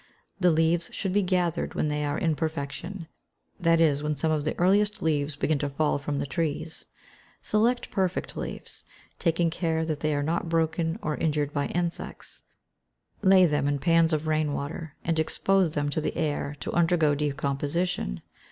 The leaves should be gathered when they are in perfection that is, when some of the earliest leaves begin to fall from the trees. Select perfect leaves, taking care that they are not broken, or injured by insects. Lay them in pans of rain water, and expose them to the air to undergo decomposition.